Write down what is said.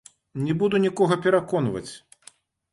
Не буду нікога пераконваць.